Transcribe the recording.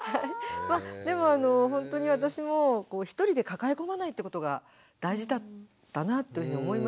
でもほんとに私もひとりで抱え込まないってことが大事だったなというふうに思います。